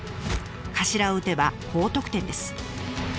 頭を討てば高得点です。